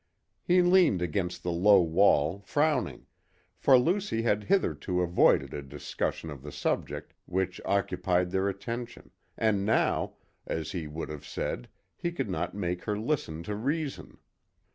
He leaned against the low wall, frowning, for Lucy had hitherto avoided a discussion of the subject which occupied their attention, and now, as he would have said, he could not make her listen to reason.